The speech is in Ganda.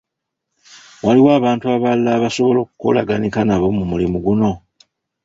Waliwo abantu abalala abasobola okukolaganika nabo mu mulimu guno?